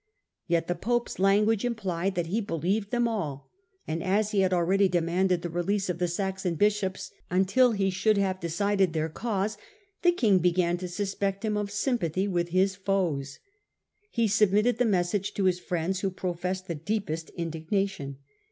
Yet the pope's language implied fchat he believed them all, and as he had already demanded the release of the Saxon bishops until he should have decided their cause, the king began to suspect him of sympathy with his foes. He submitted the message to \ his friends, who professed the deepest indignation.